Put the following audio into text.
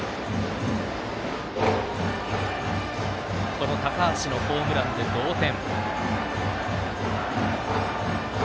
この高橋のホームランで同点。